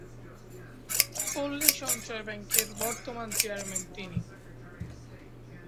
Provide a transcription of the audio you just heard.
পল্লী সঞ্চয় ব্যাংকের বর্তমান চেয়ারম্যান তিনি।